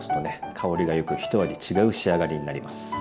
香りがよく一味違う仕上がりになります。